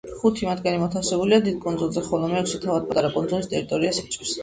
ხუთი მათგანი მოთავსებულია დიდ კუნძულზე, ხოლო მეექვსე თავად პატარა კუნძულის ტერიტორიას იჭერს.